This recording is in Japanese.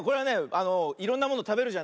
あのいろんなものたべるじゃない？